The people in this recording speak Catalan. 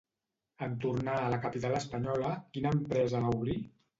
En tornar a la capital espanyola, quina empresa va obrir?